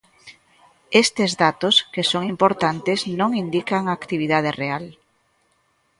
Estes datos, que son importantes, non indican a actividade real.